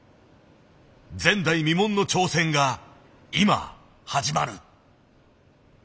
前代未聞の挑戦が今始まる。